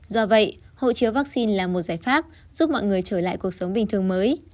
do vậy hộ chiếu vaccine là một giải pháp giúp mọi người trở lại cuộc sống bình thường mới